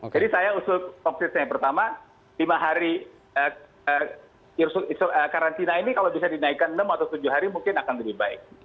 jadi saya usul konkretnya yang pertama lima hari karantina ini kalau bisa dinaikkan enam atau tujuh hari mungkin akan lebih baik